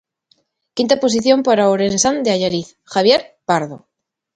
Quinta posición para o ourensán de Allariz, Javier Pardo.